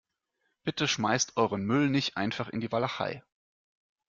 Bitte schmeißt euren Müll nicht einfach in die Walachei.